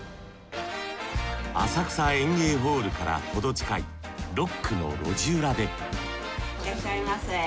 浅草演芸ホールから程近い六区の路地裏でいらっしゃいませ。